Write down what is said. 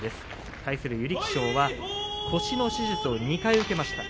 対する優力勝は腰の手術を２回受けました。